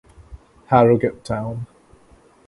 Harrogate Town